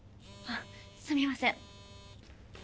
あっすみません。